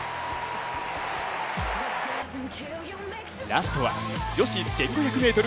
ラストは女子１５００ｍ決勝。